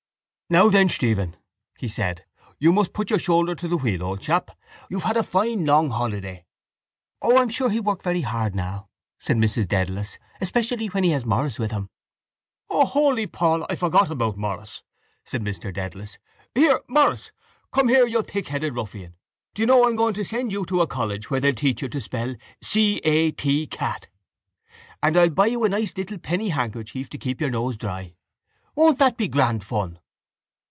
—Now then, Stephen, he said, you must put your shoulder to the wheel, old chap. You've had a fine long holiday. —O, I'm sure he'll work very hard now, said Mrs Dedalus, especially when he has Maurice with him. —O, Holy Paul, I forgot about Maurice, said Mr Dedalus. Here, Maurice! Come here, you thick headed ruffian! Do you know I'm going to send you to a college where they'll teach you to spell c.a.t. cat. And I'll buy you a nice little penny handkerchief to keep your nose dry. Won't that be grand fun?